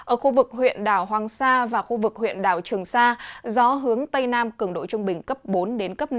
ở khu vực huyện đảo hoàng sa và khu vực huyện đảo trường sa gió hướng tây nam cường độ trung bình cấp bốn đến cấp năm